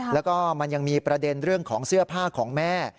แล้วก็มันยังมีประเด็นเรื่องของเสื้อผ้าของแม่